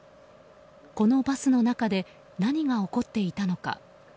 このバスの中で何が起こっていたのか。